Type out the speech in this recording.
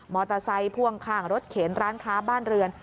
อเตอร์ไซค์พ่วงข้างรถเข็นร้านค้าบ้านเรือน